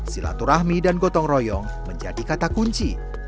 silaturahmi dan gotong royong menjadi kata kunci